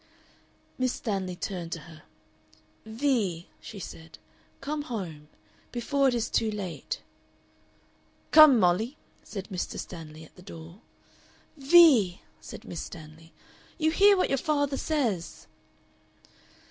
Miss Stanley turned to her. "Vee," she said, "come home. Before it is too late." "Come, Molly," said Mr. Stanley, at the door. "Vee!" said Miss Stanley, "you hear what your father says!"